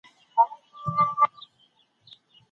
د فرصت قانون پرمختګ زیاتوي.